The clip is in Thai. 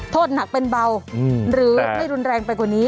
โทษหนักเป็นเบาหรือไม่รุนแรงไปกว่านี้